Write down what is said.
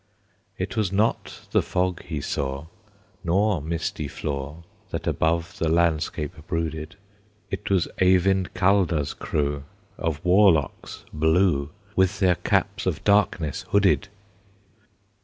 It was not the fog he saw, Nor misty flaw, That above the landscape brooded; It was Eyvind Kallda's crew Of warlocks blue, With their caps of darkness hooded!